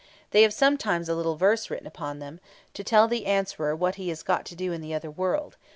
They have sometimes a little verse written upon them, to tell the Answerer what he has got to do in the other world.